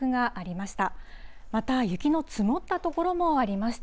また雪の積もった所もありました。